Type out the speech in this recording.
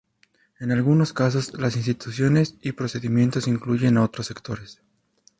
En algunos casos las instituciones y procedimientos incluyen a otros sectores.